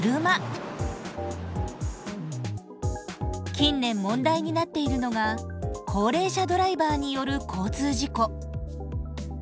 近年問題になっているのが高齢者ドライバーによる交通事故。